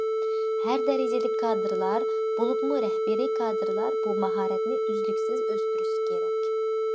ھەر دەرىجىلىك كادىرلار بولۇپمۇ رەھبىرىي كادىرلار بۇ ماھارەتنى ئۈزلۈكسىز ئۆستۈرۈشى كېرەك.